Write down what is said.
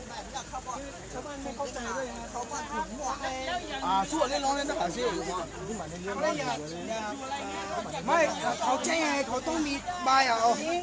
อยากเข้าบ้านเขาต้องมีใบอ่ะใช่ไหมอ่ะเขาต้องมีใบอ่ะ